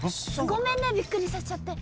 ごめんねびっくりさせちゃって。